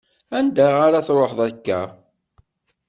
Anga ar ad tṛuḥeḍ akka?